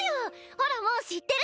ほらもう知ってる！